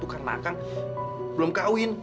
karena saya belum berkahwin